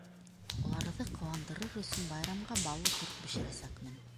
Уларҙы ҡыуандырыр өсөн байрамға баллы торт бешерәсәкмен.